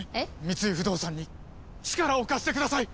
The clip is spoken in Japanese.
三井不動産に力を貸してください！